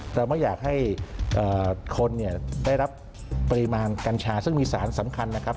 เราไม่อยากให้คนได้รับปริมาณกัญชาซึ่งมีสารสำคัญนะครับ